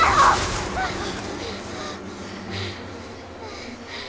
ああ！